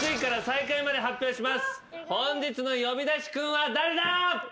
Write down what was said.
本日の呼び出しクンは誰だ！？